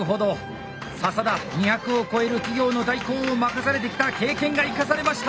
笹田２００を超える企業の代行を任されてきた経験が生かされました！